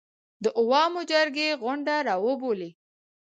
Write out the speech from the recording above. د عوامو جرګې غونډه راوبولي